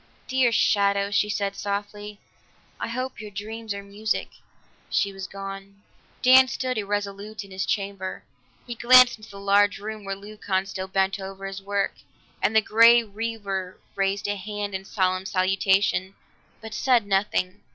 "Dear shadow," she said softly, "I hope your dreams are music." She was gone. Dan stood irresolute in his chamber; he glanced into the large room where Leucon still bent over his work, and the Grey Weaver raised a hand in a solemn salutation, but said nothing.